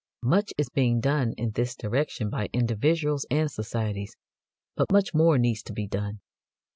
Much is being done in this direction by individuals and societies, but much more needs to be done.